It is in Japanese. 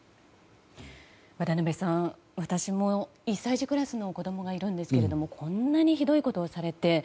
渡辺さん、私も１歳児クラスの子供がいるんですがこんなにひどいことをされて。